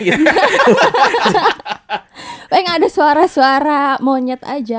kayak gak ada suara suara monyet aja